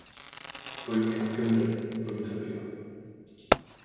Rwy'n camgymryd, rwy'n tybio.